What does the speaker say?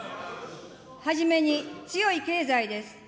はじめに強い経済です。